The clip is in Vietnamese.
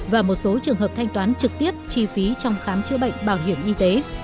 và một số trường hợp thanh toán trực tiếp chi phí trong khám chữa bệnh bảo hiểm y tế